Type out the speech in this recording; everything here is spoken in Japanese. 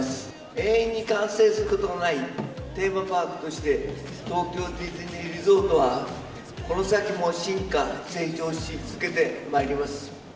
永遠に完成することのないテーマパークとして、東京ディズニーリゾートはこの先も進化、成長し続けてまいります。